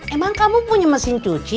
emang kamu punya mesin cuci